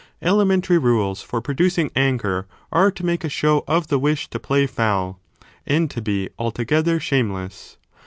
Elementary rules for producing anger are to make a show of the wish to play foul, and to be altogether shame less.